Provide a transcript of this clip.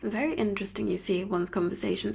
Very interesting, you see, one's conversations here!